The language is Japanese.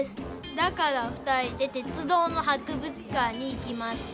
だから２人で鉄道の博物館に行きました。